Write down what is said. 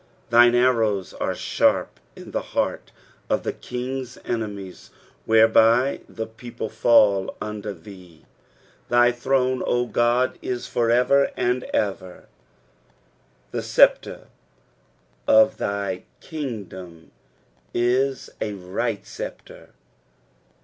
5 Thine arrows are sharp in the heart of the king's enemies ; wkereby the people fall under thee. ■ 6 Thy throne, O God, is for ever and ever : the sceptre of thy kingdom is a right sceptre.